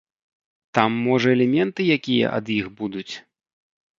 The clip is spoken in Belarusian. Там можа элементы якія ад іх будуць?